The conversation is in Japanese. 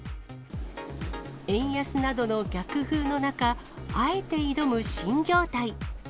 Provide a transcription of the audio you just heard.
円安などの逆風の中、あえて挑む新業態。